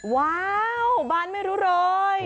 ว้าวบ้านไม่รู้เลย